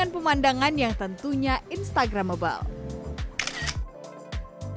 pemandangan yang tentunya instagramable